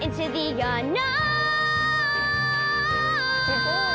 すごい。